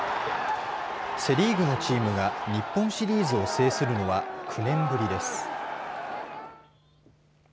セ・リーグのチームが日本シリーズを制するのは９年ぶりです。